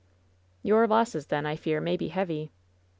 "Your losses, then, I fear, may be heavy."